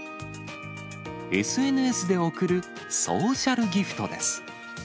ＳＮＳで贈るソーシャルギフトです。